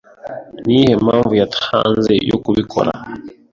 Ni iyihe mpamvu yatanze yo kubikora?